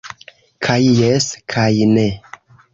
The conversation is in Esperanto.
Kaj jes, kaj ne.